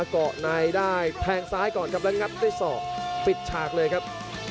เกาะในได้แทงซ้ายก่อนครับแล้วงัดด้วยศอกปิดฉากเลยครับ